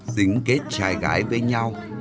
dính kết trai gái với nhau